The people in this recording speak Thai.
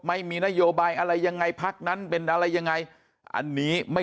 ไม่มีนโยบายอะไรยังไงพักนั้นเป็นอะไรยังไงอันนี้ไม่